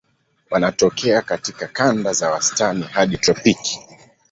Wanatokea katika kanda za wastani hadi tropiki.